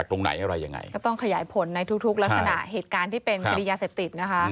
ก็ต้องขยายผลในทุกลักษณะเหตุการณ์ที่เป็นคดียาเสพติดนะคะ